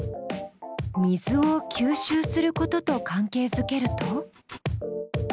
水を吸収することと関係づけると？